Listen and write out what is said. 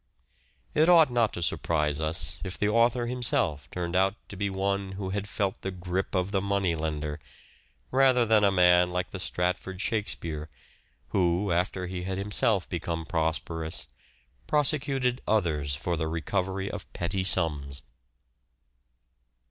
It ought not to surprise us if the author himself turned out to be one who had felt the grip of the money lender, rather than a man like the Stratford Shakspere, who, after he had himself become pros perous, prosecuted others for the recovery of petty sums.